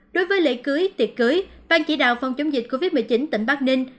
đối với lễ cưới tiệc cưới ban chỉ đạo phòng chống dịch covid một mươi chín tỉnh bắc ninh